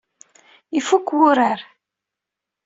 Ifuk wurar.